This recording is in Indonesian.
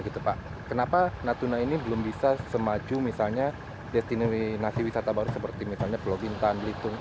kenapa natuna ini belum bisa semaju misalnya destinasi wisata baru seperti misalnya pulau bintan belitung